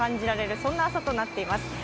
そんな朝となっています。